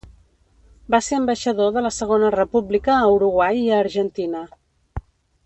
Va ser ambaixador de la Segona República a Uruguai i a Argentina.